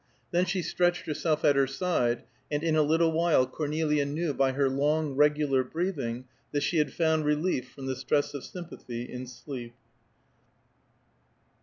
Then she stretched herself at her side, and in a little while Cornelia knew by her long, regular breathing that she had found relief from the stress of sympathy in sleep.